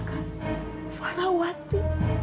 kamilah regina putri